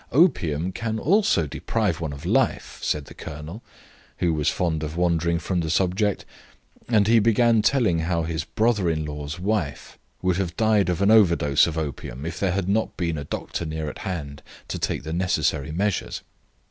"Opium can also deprive one of life," said the colonel, who was fond of wandering from the subject, and he began telling how his brother in law's wife would have died of an overdose of opium if there had not been a doctor near at hand to take the necessary measures.